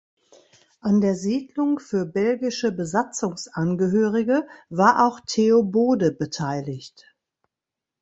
An der Siedlung für belgische Besatzungsangehörige war auch Theo Bode beteiligt.